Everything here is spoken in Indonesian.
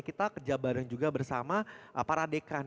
kita kerja bareng juga bersama para dekan